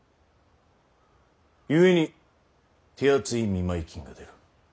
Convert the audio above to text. ゆえに手厚い見舞い金が出る。